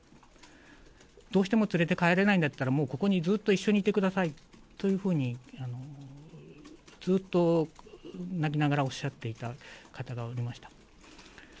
どうしても連れて帰れないんだったら、もうここにずっと一緒にいてくださいというふうに、ずっと泣きながらおっしゃっていた方がおりました。